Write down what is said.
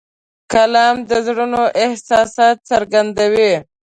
قلم د زړونو احساسات څرګندوي